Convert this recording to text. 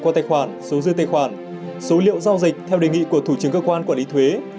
qua tài khoản số dư tài khoản số liệu giao dịch theo đề nghị của thủ trưởng cơ quan quản lý thuế